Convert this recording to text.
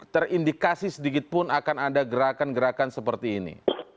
terindikasi sedikitpun akan ada gerakan gerakan seperti ini